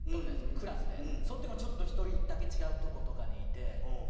その時もちょっと１人だけ違うとことかにいて。